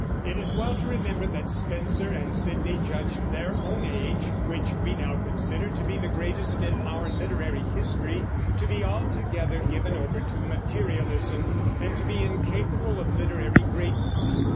It is well to remember that Spenser and Sidney judged their own age (which we now consider to be the greatest in our literary history) to be altogether given over to materialism, and to be incapable of literary greatness.